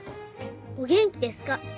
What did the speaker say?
「お元気ですか」